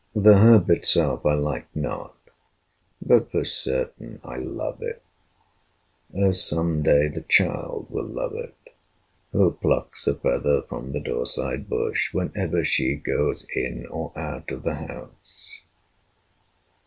The herb itself I like not, but for certain I love it, as some day the child will love it Who plucks a feather from the door side bush Whenever she goes in or out of the house.